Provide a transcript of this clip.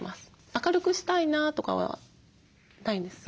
明るくしたいなとかはないんですか？